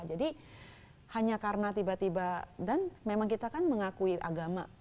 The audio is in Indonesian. jadi hanya karena tiba tiba dan memang kita kan mengakui agama